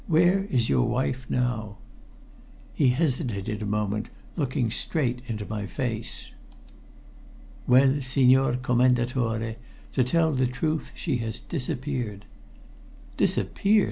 "Where is your wife now?" He hesitated a moment, looking straight into my face. "Well, Signor Commendatore, to tell the truth, she has disappeared." "Disappeared!"